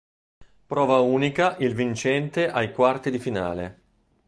Prova unica il vincente ai quarti di finale.